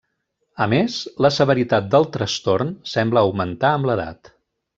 A més, la severitat del trastorn sembla augmentar amb l'edat.